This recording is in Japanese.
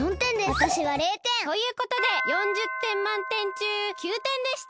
わたしは０てん！ということで４０てんまんてんちゅう９てんでした！